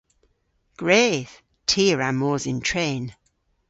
Gwredh! Ty a wra mos yn tren.